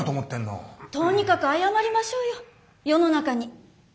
とにかく謝りましょうよ世の中に。